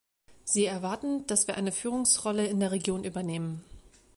Sie erwarten, dass wir eine Führungsrolle in der Region übernehmen.